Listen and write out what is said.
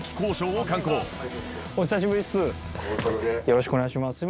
よろしくお願いします。